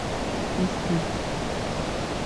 Ҡасты.